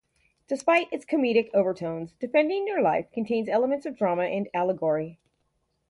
Despite its comedic overtones, "Defending Your Life" contains elements of drama and allegory.